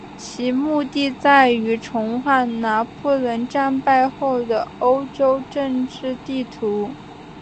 其目的在于重画拿破仑战败后的欧洲政治地图。